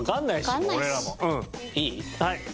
はい。